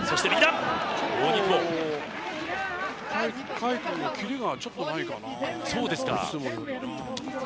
海君のキレがちょっとないかな。